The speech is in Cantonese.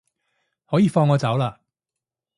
可以放我走喇